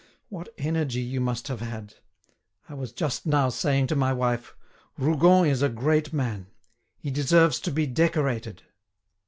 What energy you must have had! I was just now saying to my wife: 'Rougon is a great man; he deserves to be decorated.